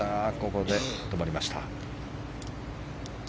ここで止まりました。